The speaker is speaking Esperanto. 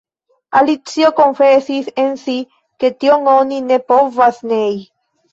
Alicio konfesis en si ke tion oni ne povas nei.